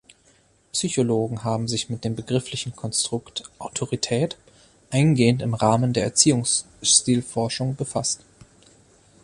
Psychologen haben sich mit dem begrifflichen Konstrukt "Autorität" eingehend im Rahmen der Erziehungsstilforschung befasst.